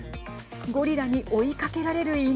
ゴリラに追いかけられる犬。